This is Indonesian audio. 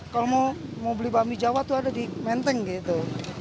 kalau mau beli bakmi jawa tuh ada di menteng gitu